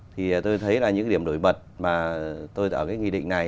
thì tôi thấy là những điểm đổi mật mà tôi ở cái nghị định này